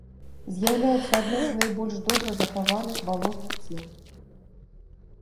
З'яўляецца адным з найбольш добра захаваных балотных цел.